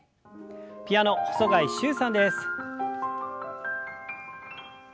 ピアノ細貝柊さんです。